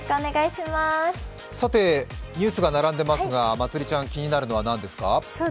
さて、ニュースが並んでますがまつりちゃん気になるのは何ですか？